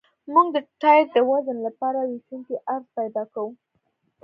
موږ د ټایر د وزن لپاره ویشونکی عرض پیدا کوو